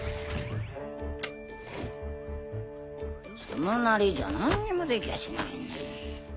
そのなりじゃ何にもできゃしない。